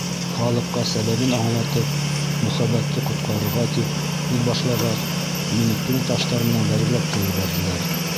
Халыҡҡа сәбәбен аңлатып, Мөхәббәтте ҡотҡарырға, тип һүҙ башлағас, мине туң таштар менән бәргеләп ебәрҙеләр.